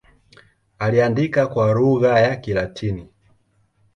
Aliandika kwa lugha ya Kilatini.